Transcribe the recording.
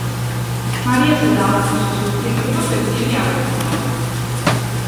მარიასა და ალფონსოს ურთიერთობა ბედნიერი არ ყოფილა.